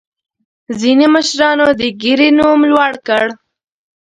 ځینې مشرانو د ګیرې نوم لوړ کړ.